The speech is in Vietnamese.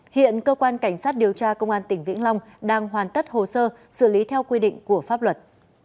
hiện cơ quan cảnh sát điều tra công an tỉnh vĩnh long đang hoàn tất hồ sơ xử lý theo quy định của pháp luật